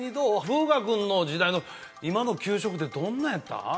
風雅君の時代の今の給食ってどんなんやった？